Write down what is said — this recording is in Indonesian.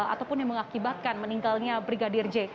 ataupun yang mengakibatkan meninggalnya brigadir j